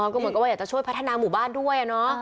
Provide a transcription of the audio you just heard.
ก็เหมือนกับว่าอยากจะช่วยพัฒนาหมู่บ้านด้วย